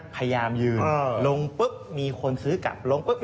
พยายามยืนลงปุ๊บมีคนซื้อกลับ